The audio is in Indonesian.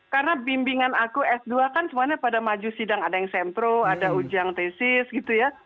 karena bimbingan aku s dua kan semuanya pada maju sidang ada yang sempro ada ujian tesis gitu ya